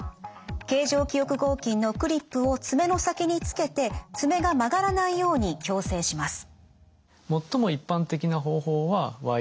形状記憶合金のクリップを爪の先につけて爪が曲がらないように矯正します。